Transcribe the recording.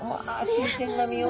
新鮮な身を。